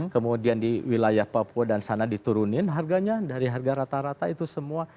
kemudian di wilayah papua dan sana diturunin harganya dari harga rata rata itu semua